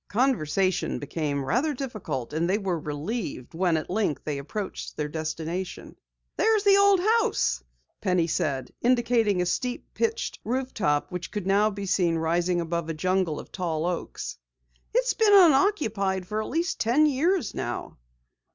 Conversation became rather difficult and they were relieved when, at length, they approached their destination. "There's the old house," Penny said, indicating a steep pitched roof top which could be seen rising above a jungle of tall oaks. "It's been unoccupied for at least ten years now."